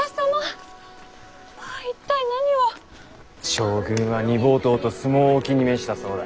将軍は煮ぼうとうと相撲をお気に召したそうだ。